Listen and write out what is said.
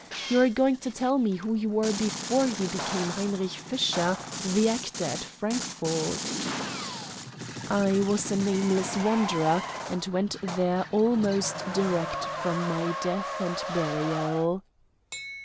You are going to tell me who you were before you became Heinrich Fischer, the actor at Frankfort." "I was a nameless wanderer, and went there almost direct from my death and burial."